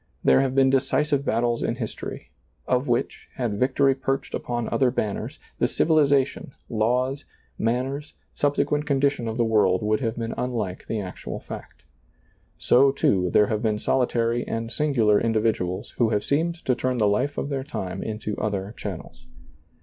There have been decisive battles in history, of which, had vic tory perched upon other banners, the civilization, laws, manners, subsequent condition of the world would have been unlike the actual fact. So, too, there have been solitary and singular individuals who have seemed to turn the life of their time into other channels.